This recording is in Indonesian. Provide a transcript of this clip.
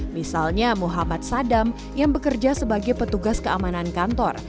misalnya muhammad sadam yang bekerja sebagai petugas keamanan kantor